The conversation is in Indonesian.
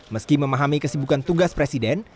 meski memahami kesibukan tugas presiden